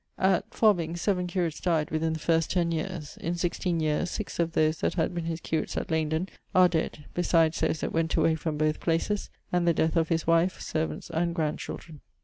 [At Fobbing, seven curates dyed within the first ten yeares]; in sixteen yeares, six of those that had been his curates at Laindon are dead; besides those that went away from both places; and the death of his wife [servants, and grandchildren].